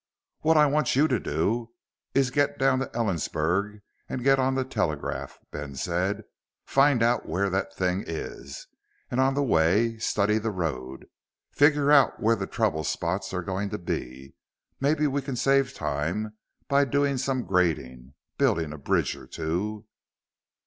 "What I want you to do is get down to Ellensburg and get on the telegraph," Ben said. "Find out where that thing is. And on the way, study the road. Figure out where the trouble spots are going to be. Maybe we can save time by doing some grading, building a bridge or two."